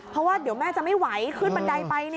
เพราะว่าเดี๋ยวแม่จะไม่ไหวขึ้นบันไดไป